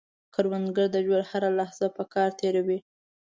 کروندګر د ژوند هره لحظه په کار تېروي